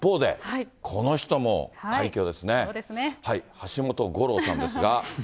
橋本五郎さんですが。